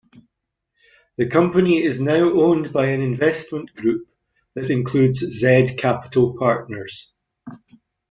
The company is now owned by an investment group that includes Z Capital Partners.